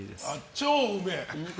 超うめえ。